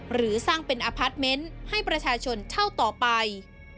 หรือสร้างเป็นอพาร์ทเมนต์ให้ประชาชนเช่าต่อไป